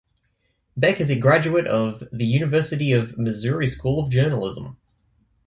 Beck is a graduate of the University of Missouri School of Journalism.